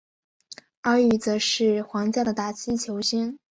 而与则是皇家的打击球星。